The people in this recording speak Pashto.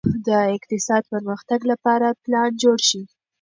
د اقتصادي پرمختګ لپاره پلان جوړ شي.